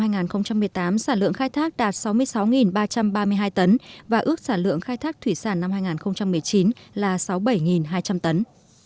năm hai nghìn một mươi tám sản lượng khai thác đạt sáu mươi sáu ba trăm ba mươi hai tấn và ước sản lượng khai thác thủy sản năm hai nghìn một mươi chín là sáu mươi bảy hai trăm linh tấn